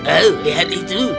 oh lihat itu